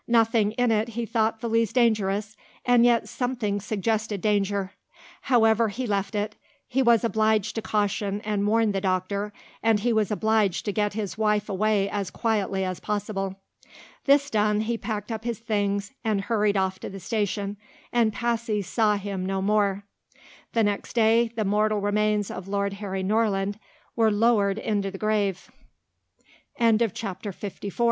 Nothing in it he thought the least dangerous, and yet something suggested danger. However, he left it; he was obliged to caution and warn the doctor, and he was obliged to get his wife away as quietly as possible. This done, he packed up his things and hurried off to the station, and Passy saw him no more. The next day the mortal remains of Lord Harry Norland were lowered into the grave. CHAPTER LV THE ADVENTURES OF A